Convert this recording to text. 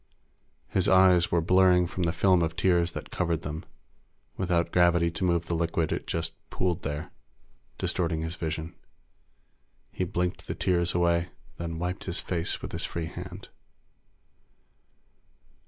His eyes were blurring from the film of tears that covered them; without gravity to move the liquid, it just pooled there, distorting his vision. He blinked the tears away, then wiped his face with his free hand.